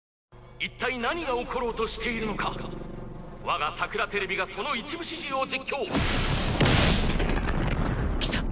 一体何が起ころうとしているのか我がさくらＴＶがその一部始終を実況来た！